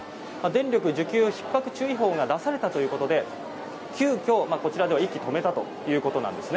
電力需給ひっ迫注意報が出されたということで急きょ、こちらでは１機止めたということです。